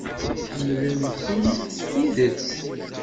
Ḥemmlen-kent s tidet.